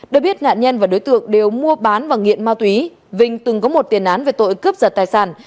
được biết nạn nhân và đối tượng đều mua bán và nghiện ma túy vinh từng có một tiền án về tội cướp giật tài sản